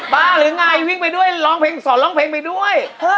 หรือไงวิ่งไปด้วยร้องเพลงสอนร้องเพลงไปด้วย